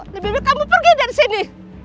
lebih baik kamu pergi dari sini